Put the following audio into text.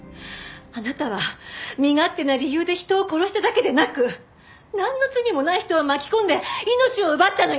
あなたは身勝手な理由で人を殺しただけでなくなんの罪もない人を巻き込んで命を奪ったのよ！